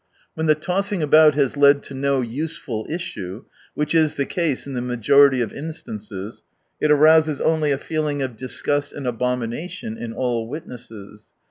When the tossing about has led to no useful issue — which is the case in the majority of instances — it arouses only a feeling of disgust and abomination in all witnesses.